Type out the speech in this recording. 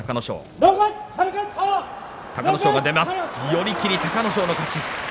寄り切り、隆の勝の勝ち。